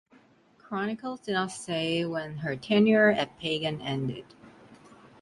Chronicles do not say when her tenure at Pagan ended.